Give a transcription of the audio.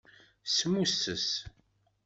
Smusses.